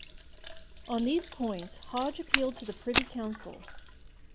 On these points, Hodge appealed to the Privy Council.